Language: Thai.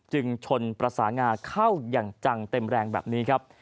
ชนประสานงาเข้าอย่างจังเต็มแรงแบบนี้ครับ